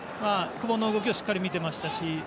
久保の動きをしっかり見てましたし。